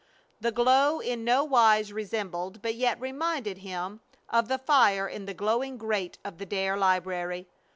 The glow in no wise resembled, but yet reminded him, of the fire in the glowing grate of the Dare library.